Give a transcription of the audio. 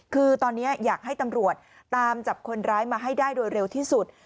คือตอนนี้อยากให้ตำรวจตามจับคนร้ายมาให้ได้โดยเร็วที่สุด